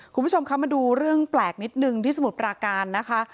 คุณผู้ชมคะมาดูเรื่องแปลกนิดนึงที่สมุทรปราการนะคะ